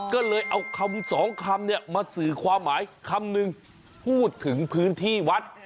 ก็เลยเอาคำสองคำเนี่ยมาสื่อความหมายคำนึงพูดถึงพื้นที่วัด